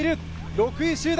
６位集団。